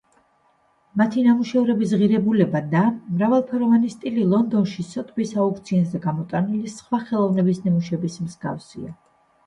მათი ნამუშევრების ღირებულება და მრავალფეროვანი სტილი ლონდონში სოტბის აუქციონზე გამოტანილი სხვა ხელოვნების ნიმუშების მსგავსია.